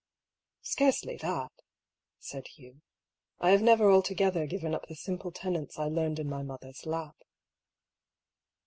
"Scarcely that," said Hugh. "I have never alto gether given up the simple tenets I learned in my mother's lap.''